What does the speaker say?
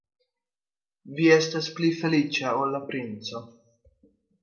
Vi estas pli feliĉa ol la princo.